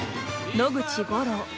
野口五郎。